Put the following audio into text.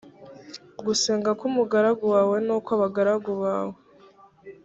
gusenga k umugaragu wawe n ukw abagaragu bawe